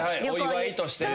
お祝いとしてね。